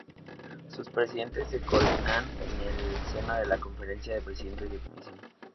Sus presidentes se coordinan en el seno de la Conferencia de Presidentes de Comisión.